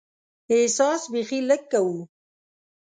احساس بیخي لږ کوو.